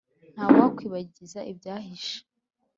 ntawakwibagiza ibyahise